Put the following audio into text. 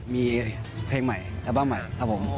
มีเพลงใหม่อัลบั้มใหม่ครับผม